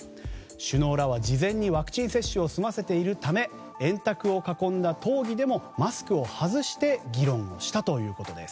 首脳らは事前にワクチン接種を済ませているため円卓を囲んだ討議でもマスクを外して議論したということです。